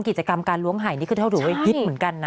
กิจกรรมการล้วงหายนี่คือเท่าโดยเวทิศเหมือนกันนะ